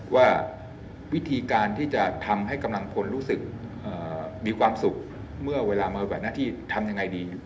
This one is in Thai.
ว่าวิธีการที่จะทำให้กำลังพลรู้สึกมีความสุขเมื่อเวลามาแบบหน้าที่ทำยังไงดี